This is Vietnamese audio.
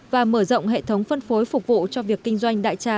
và mở rộng hệ thống phân phối phục vụ cho việc kinh doanh đại trà